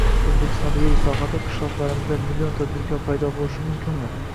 O‘zbekistonda yer islohoti — qishloqlarimizda million tadbirkor paydo bo‘lishi mumkinmi?